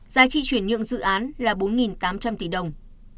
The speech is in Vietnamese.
giá trị chuyển nhượng dự án là bốn tám trăm linh tỷ đồng